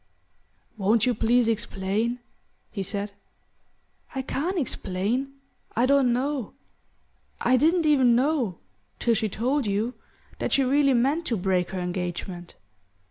"Won't you please explain?" he said. "I can't explain: I don't know. I didn't even know till she told you that she really meant to break her engagement.